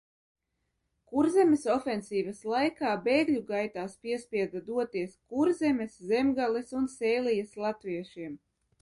Kurzemes ofensīvas laikā bēgļu gaitās piespieda doties Kurzemes, Zemgales un Sēlijas latviešiem.